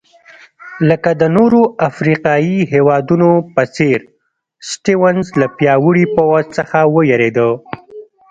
لکه د نورو افریقایي هېوادونو په څېر سټیونز له پیاوړي پوځ څخه وېرېده.